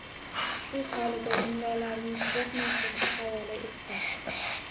Shu holida, imlolarini tuzatmay, sizga havola etdim.